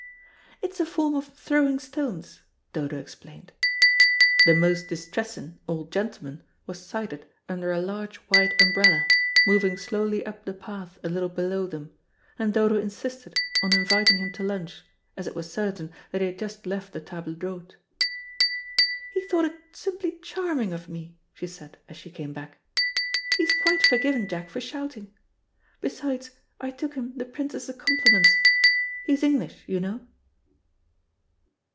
"It's a form of throwing stones," Dodo explained. The "most distressin'" old gentleman was sighted under a large white umbrella, moving slowly up the path a little below them, and Dodo insisted on inviting him to lunch, as it was certain that he had just left the table d'hôte. "He thought it simply charming of me," she said, as she came back. "He's quite forgiven Jack for shouting. Besides, I took him the Princess's compliments. He's English, you know."